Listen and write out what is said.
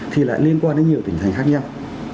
thì lại liên quan đến nhiều tỉnh thành khác nhau